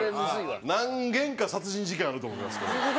何件か殺人事件あると思いますこれ。